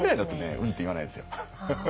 「うん」って言わないんですよ。